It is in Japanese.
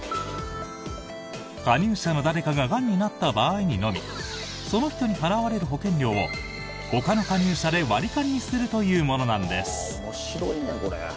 加入者の誰かががんになった場合にのみその人に払われる保険料をほかの加入者で割り勘にするというものなんです。